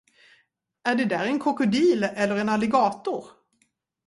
Är det där en krokodil eller en alligator?